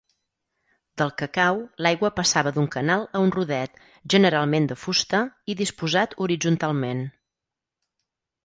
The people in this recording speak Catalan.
Del cacau l'aigua passava d'un canal a un rodet, generalment de fusta i disposat horitzontalment.